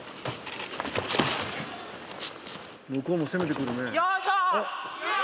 向こうも攻めてくるね。